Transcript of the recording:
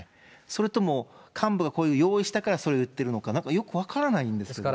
それとも幹部がこういうの用意したから、そう言ってるのか、よく分からないんですけど。